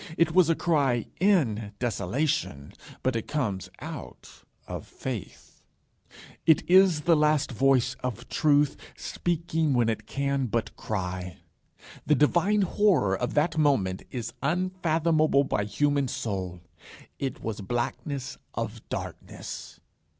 It was a cry in desolation, but it came out of Faith. It is the last voice of Truth, speaking when it can but cry. The divine horror of that moment is unfathomable by human soul. It was blackness of darkness.